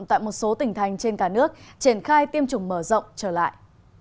tại một số tỉnh thành trên cả nước triển khai tiêm chủng mở rộng trở lại